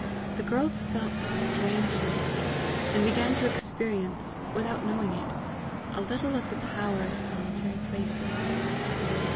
The girls felt the strangeness of it, and began to experience, without knowing it, a little of the power of solitary places.